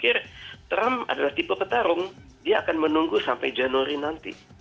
karena trump adalah tipe petarung dia akan menunggu sampai januari nanti